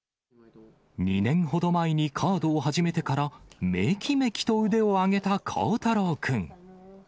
２年ほど前にカードを始めてから、めきめきと腕を上げた幸太朗君。